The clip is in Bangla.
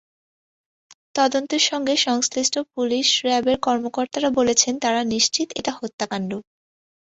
তদন্তের সঙ্গে সংশ্লিষ্ট পুলিশ-র্যা বের কর্মকর্তারা বলছেন, তাঁরা নিশ্চিত এটা হত্যাকাণ্ড।